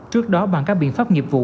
trước đó bằng các biện pháp nghiệp vụ